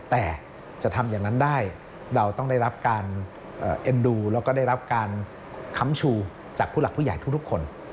แต่จะทำอย่างนั้นได้เราต้องได้รับการเอ็นดูแล้วก็ได้รับการค้ำชูจากผู้หลักผู้ใหญ่ทุกคน